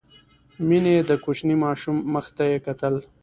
مينې د کوچني ماشوم مخ ته يې کتل.